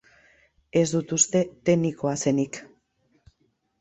Ez dut uste tenikoa zenik.